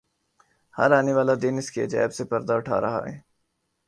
ہر آنے والا دن اس کے عجائب سے پردہ اٹھا رہا ہے۔